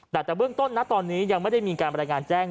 แต่แต่เบื้องต้นนะตอนนี้ยังไม่ได้มีการบรรยายงานแจ้ง